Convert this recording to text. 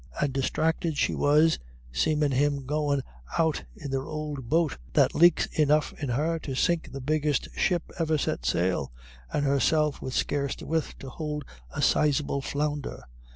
And disthracted she was seem' him goin' out in their ould boat, that's laiks enough in her to sink the biggest ship ever set sail, and herself wid scarce the width to hould a sizable flounder.